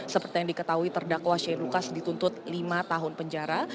seperti yang diketahui terdakwa shane lucas dituntut lima tahun penjara